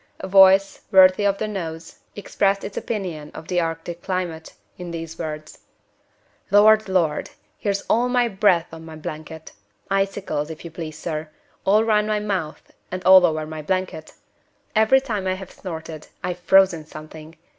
A voice, worthy of the nose, expressed its opinion of the Arctic climate, in these words: "Lord! Lord! here's all my breath on my blanket. Icicles, if you please, sir, all round my mouth and all over my blanket. Every time I have snored, I've frozen something.